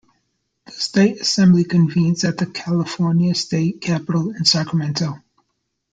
The State Assembly convenes at the California State Capitol in Sacramento.